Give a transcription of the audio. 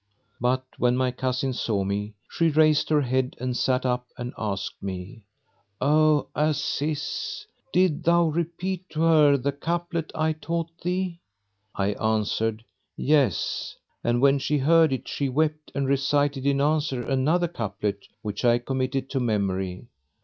But when my cousin saw me she raised her head and sat up and asked me, "O Aziz, didst thou repeat to her the couplet I taught thee?" I answered, "Yes, and when she heard it she wept and recited in answer another couplet which I committed to memory."